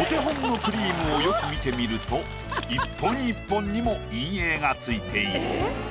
お手本のクリームをよく見てみると１本１本にも陰影がついている。